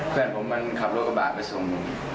แฟนผมมันขับรถกระบะไปส่ง